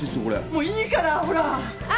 もういいからほら。